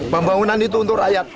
pembangunan itu untuk rakyat